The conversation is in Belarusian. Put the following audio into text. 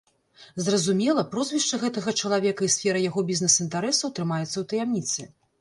Зразумела, прозвішча гэтага чалавека і сфера яго бізнес-інтарэсаў трымаецца ў таямніцы.